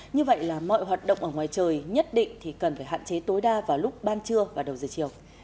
như vậy là mọi hoạt động ở ngoài trời nhất định thì cần phải hạn chế tối đa vào lúc ban trưa và đầu giờ chiều